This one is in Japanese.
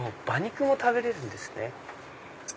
馬肉も食べれるんですね。